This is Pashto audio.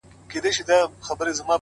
درد زغمي!!